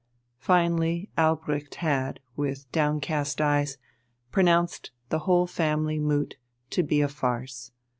Finally Albrecht had, with downcast eyes, pronounced the whole family moot to be a farce.